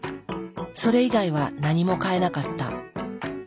それ以外は何も変えなかった。